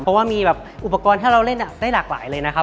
เพราะว่ามีแบบอุปกรณ์ถ้าเราเล่นได้หลากหลายเลยนะครับ